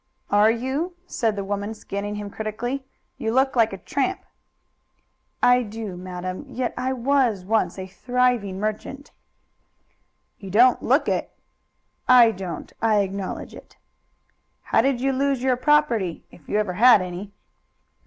"Are you?" said the woman, scanning him critically. "You look like a tramp." "I do, madam, yet I was once a thriving merchant." "You don't look like it." "I don't; I acknowledge it." "How did you lose your property, if you ever had any?"